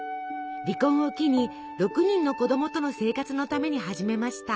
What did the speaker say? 離婚を機に６人の子供との生活のために始めました。